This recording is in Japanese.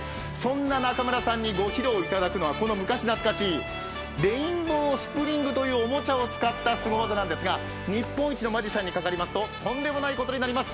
そして中村さんにご披露いただくのは、この昔懐かしいレインボースプリングというおもちゃを使ったすご技なんですが日本一のマジシャンにかかりますと、とんでもないことになります。